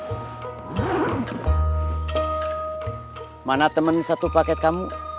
bagaimana temen satu paket kamu